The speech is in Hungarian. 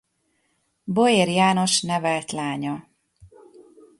Boér János nevelt lánya.